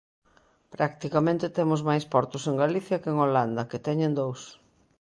Practicamente temos máis portos en Galicia que en Holanda, que teñen dous.